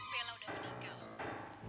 bella udah menikah